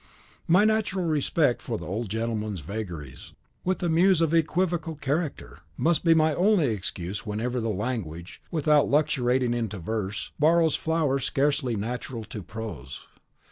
My natural respect for the old gentleman's vagaries, with a muse of equivocal character, must be my only excuse whenever the language, without luxuriating into verse, borrows flowers scarcely natural to prose.